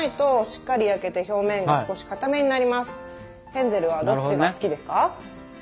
ヘンゼルはどっちが好きですか？